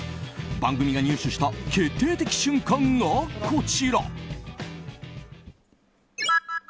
番組が入手した決定的瞬間がこちら。